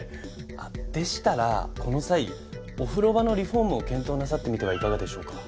あっでしたらこの際お風呂場のリフォームを検討なさってみてはいかがでしょうか？